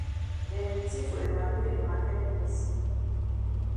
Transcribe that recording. Dem be tif for Emmanu yi maket place.